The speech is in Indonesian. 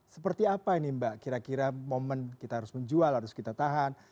seperti apa ini mbak kira kira momen kita harus menjual harus kita tahan